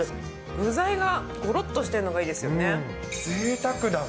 具材がごろっとしているのがぜいたくだわ。